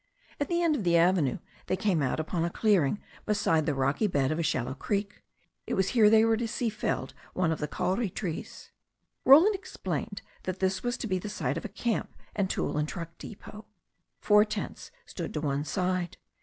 At the end of the avenue they came out upon a clearing beside the rocky bed of a shallow creek. It was here they were to see felled one of the kauri trees. Roland explained that this was to be the site of a camp and tool and truck depot. Four tents stood to one side.